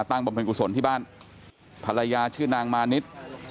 ตั้งบำเพ็ญกุศลบรรยายชื่อนางมานิท